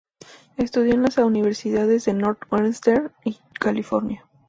Estudió en las universidades de Northwestern y California.